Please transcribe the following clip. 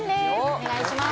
お願いします